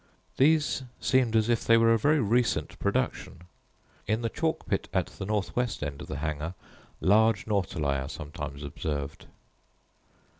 These seemed as if they were a very recent production. In the chalk pit, at the north west end of the Hanger, large nautili are sometimes observed.